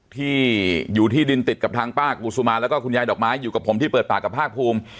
ที่อยู่ที่ดินติดกับทางป้ากุศุมาแล้วก็คุณยายดอกไม้อยู่กับผมที่เปิดปากกับภาคภูมิ